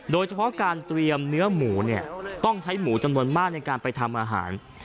โดยเฉพาะการเตรียมเนื้อหมูเนี่ยต้องใช้หมูจำนวนมากในการไปทำอาหาร